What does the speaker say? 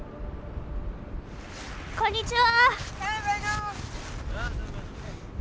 こんにちは！